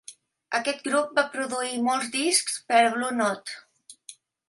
Aquest grup va produir molts discs per a Blue Note.